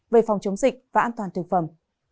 về phòng chống dịch và an toàn thực phẩm